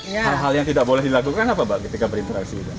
hal hal yang tidak boleh dilakukan apa pak ketika berinteraksi